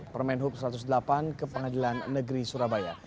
permen hub satu ratus delapan ke pengadilan negeri surabaya